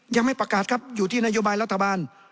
ยังไม่ประกาศครับอยู่ที่นโยบายรัฐบาล